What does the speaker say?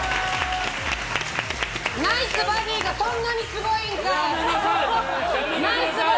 ナイスバディーがそんなにすごいんかい！